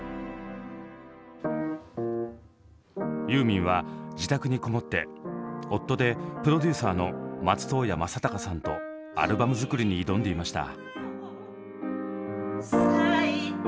ユーミンは自宅にこもって夫でプロデューサーの松任谷正隆さんとアルバム作りに挑んでいました。